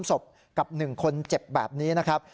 ศพกับ๑คนเจ็บแบบนี้นะครับ